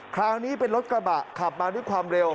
คราวนี้เป็นรถกระบะขับมาด้วยความเร็ว